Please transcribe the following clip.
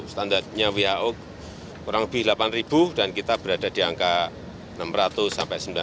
standarnya who kurang lebih delapan dan kita berada di angka enam ratus sampai sembilan puluh